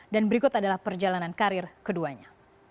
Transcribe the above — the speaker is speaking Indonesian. dan berikut adalah perjalanan karir keduanya